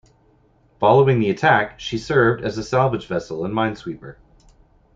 Following the attack, she served as a salvage vessel and minesweeper.